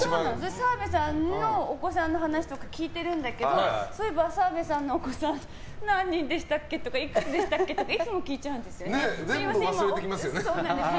澤部さんのお子さんの話とか聞いてるんだけどそういえば澤部さんのお子さん何人でしたっけとかいくつでしたっけとか全部忘れてきますよね。